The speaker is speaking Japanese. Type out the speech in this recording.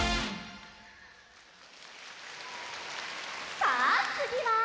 さあつぎは？